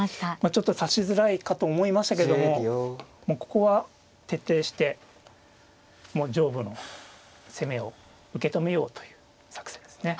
ちょっと指しづらいかと思いましたけどももうここは徹底して上部の攻めを受け止めようという作戦ですね。